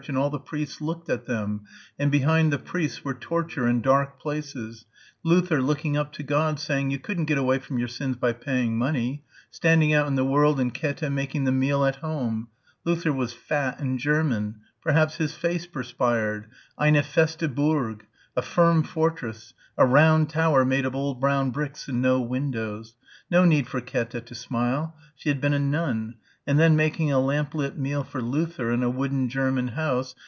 and all the priests looked at them ... and behind the priests were torture and dark places ... Luther looking up to God ... saying you couldn't get away from your sins by paying money ... standing out in the world and Käthe making the meal at home ... Luther was fat and German. Perhaps his face perspired ... Eine feste Burg; a firm fortress ... a round tower made of old brown bricks and no windows.... No need for Käthe to smile.... She had been a nun ... and then making a lamplit meal for Luther in a wooden German house